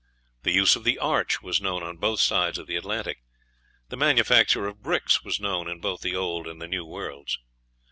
The use of the arch was known on both sides of the Atlantic. The manufacture of bricks was known in both the Old and New Worlds.